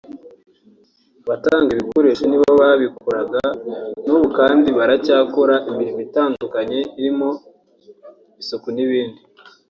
abatanga ibikoresho ni bo babikoraga n’ubu kandi baracyakora imirimo itandukanye irimo isuku n’ibindi